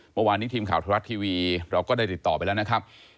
เมื่อวานนี้ทีมข่าวธรรมรัฐทีวีเราก็ได้ติดต่อไปแล้วนะครับ